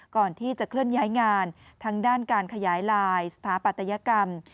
ก่อนที่จะเคลื่อนย้ายงานทั้งด้านการขยายลายสถาปัตยกรรม